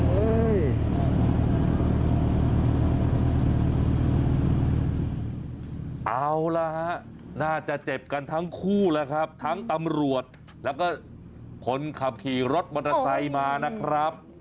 เอาละฮะน่าจะเจ็บกันทั้งคู่แล้วครับทั้งตำรวจแล้วก็คนขับขี่รถมอเตอร์ไซค์มานะครับ